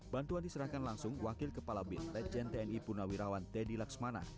bantuan diserahkan langsung wakil kepala bin lejen tni puna wirawan teddy laksmana